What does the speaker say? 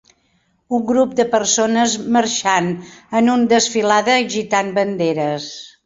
Un grup de persones marxant en un desfilada agitant banderes.